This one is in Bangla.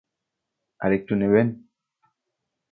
আর একটু নেবেন?